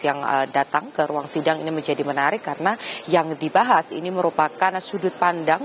yang datang ke ruang sidang ini menjadi menarik karena yang dibahas ini merupakan sudut pandang